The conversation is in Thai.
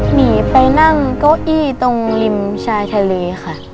หนีไปนั่งเก้าอี้ตรงริมชายทะเลค่ะ